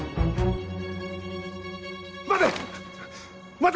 待て！